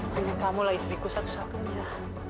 hanya kamu lah istriku satu satunya